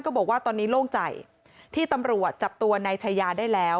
บอกว่าตอนนี้โล่งใจที่ตำรวจจับตัวนายชายาได้แล้ว